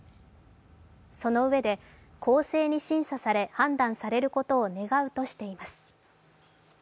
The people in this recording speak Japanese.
そのうえで、公正に審査され、判断されることを願うとしています。